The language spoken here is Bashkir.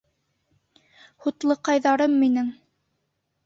Һутлыҡайҙарым минең